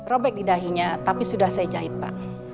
robek di dahinya tapi sudah saya jahit pak